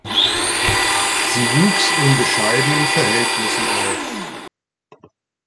Sie wuchs in bescheidenen Verhältnissen auf.